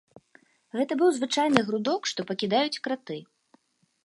Гэта быў звычайны грудок, што пакідаюць краты.